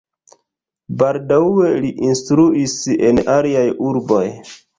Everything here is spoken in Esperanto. Baldaŭe li instruis en aliaj urboj.